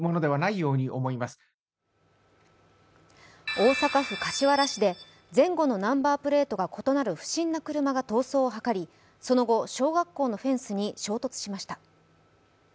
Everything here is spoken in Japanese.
大阪府柏原市で前後のナンバープレートが異なる不審な車が逃走を図りその後小学校のフェンスに衝突しました。